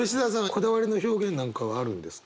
こだわりの表現なんかはあるんですか？